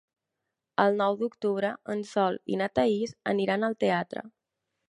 El nou d'octubre en Sol i na Thaís aniran al teatre.